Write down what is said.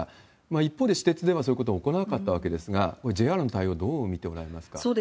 一方で、私鉄ではそういうことが起こらなかったわけですが、これ、ＪＲの対応、どう見ておられますか？